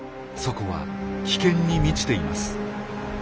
そこは危険に満ちています。